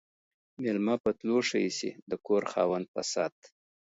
ميلمه په تلو ښه ايسي ، د کور خاوند په ست.